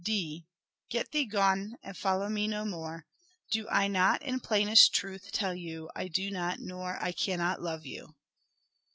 D. " Get thee gone and follow me no more. Do I not in plainest truth tell you I do not nor I cannot love you."